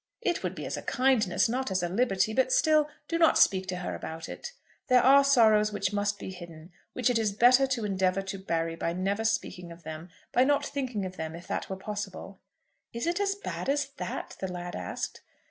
"It would be as a kindness, not as a liberty. But still, do not speak to her about it. There are sorrows which must be hidden, which it is better to endeavour to bury by never speaking of them, by not thinking of them, if that were possible." "Is it as bad as that?" the lad asked.